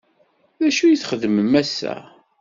D acu i txedmem ass-a?